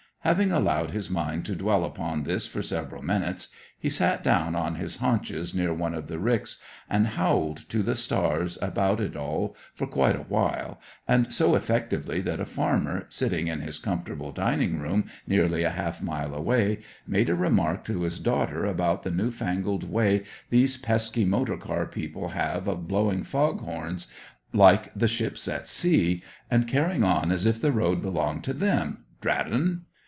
Having allowed his mind to dwell upon this for several minutes, he sat down on his haunches near one of the ricks, and howled to the stars about it all for quite a while, and so effectively that a farmer, sitting in his comfortable dining room nearly half a mile away, made a remark to his daughter about the new fangled way these pesky motor car people have of blowing fog horns like the ships at sea, and carrying on as if the road belonged to them drat 'un!